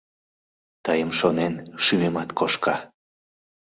Тыйым шонен, шӱмемат кошка.